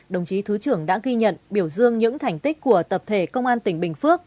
đồng chí thứ trưởng đã ghi nhận biểu dương những thành tích của tập thể công an tỉnh bình phước